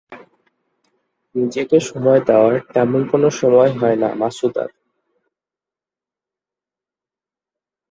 নিজেকে সময় দেওয়ার তেমন কোন সময় হয়না মাছুদার।